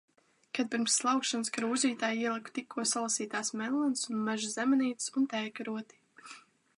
Kad pirms slaukšanas, krūzītē ieliku tikko salasītas mellenes un meža zemenītes, un tējkarotīti.